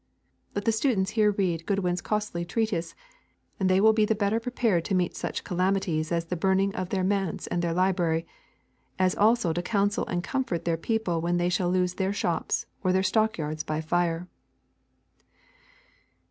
Let the students here read Goodwin's costly treatise, and they will be the better prepared to meet such calamities as the burning of their manse and their library, as also to counsel and comfort their people when they shall lose their shops or their stockyards by fire.